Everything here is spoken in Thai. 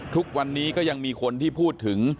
ทุกวันนี้ก็ยังมีคนที่พูดถึง